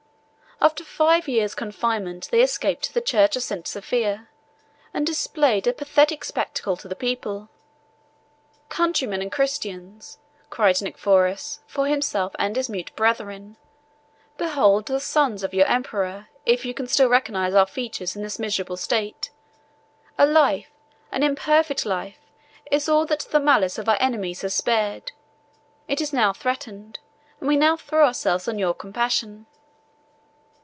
After five years' confinement, they escaped to the church of St. Sophia, and displayed a pathetic spectacle to the people. "Countrymen and Christians," cried Nicephorus for himself and his mute brethren, "behold the sons of your emperor, if you can still recognize our features in this miserable state. A life, an imperfect life, is all that the malice of our enemies has spared. It is now threatened, and we now throw ourselves on your compassion."